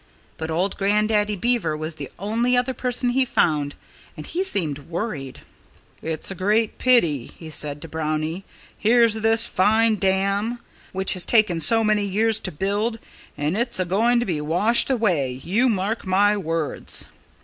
But old Grandaddy Beaver was the only other person he found. And he seemed worried. "It's a great pity!" he said to Brownie. "Here's this fine dam, which has taken so many years to build, and it's a going to be washed away you mark my words!"